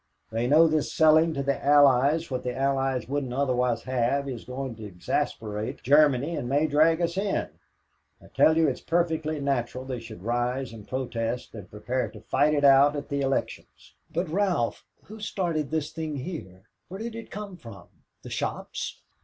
They know this selling to the Allies what the Allies wouldn't otherwise have is going to exasperate Germany and may drag us in. I tell you it's perfectly natural they should rise and protest and prepare to fight it out at the elections." "But, Ralph, who started this thing here? Where did it come from? The shops?"